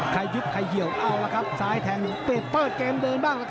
ใครหยุกใครเหี่ยวเอาล่ะครับซ้ายแท่งเปลี่ยนเปิดเกมเดินบ้าง